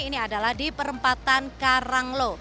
ini adalah di perempatan karanglo